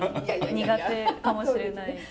苦手かもしれないです。